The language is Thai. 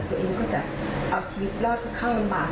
ตัวเองก็จะเอาชีวิตรอดทุกข้างบาง